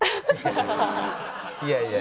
いやいや。